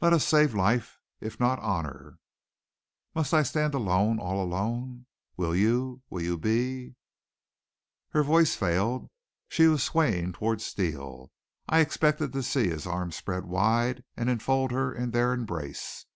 Let us save life, if not honor. Must I stand alone all alone? Will you will you be " Her voice failed. She was swaying toward Steele. I expected to see his arms spread wide and enfold her in their embrace.